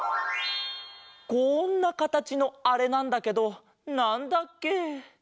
こんなかたちのあれなんだけどなんだっけ？